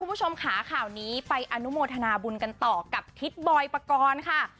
คุณผู้ชมค่ะข่าวนี้ไปอนุโมทนาบุญกันต่อกับทิศบอยปกรณ์ค่ะ